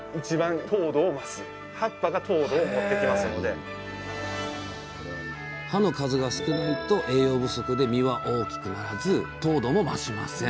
更に葉の数が少ないと栄養不足で実は大きくならず糖度も増しません。